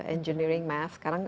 engineering math sekarang